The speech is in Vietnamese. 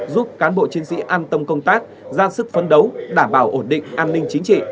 giúp cán bộ chiến sĩ an tâm công tác ra sức phấn đấu đảm bảo ổn định an ninh chính trị